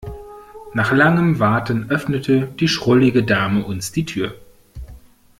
Nach langem Warten öffnete die schrullige Dame uns die Tür.